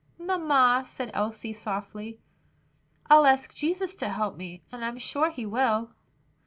"Mamma," said Elsie, softly, "I'll ask Jesus to help me, and I'm sure he will."